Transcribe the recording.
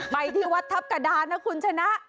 ไปที่วัดทัพกระดานนะคุณชนะ